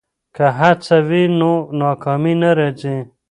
که هڅه وي نو ناکامي نه راځي.